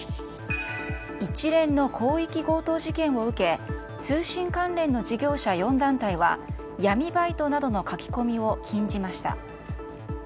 一連の広域強盗事件を受け通信関連の事業者４団体は闇バイトなどの書き込みを禁じました。